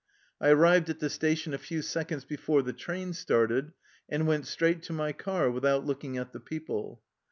I arrived at the station a few seconds before the train started, and went straight to my car with out looking at the people.